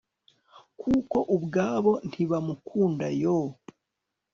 kuko ubwabo ntibamukunda yo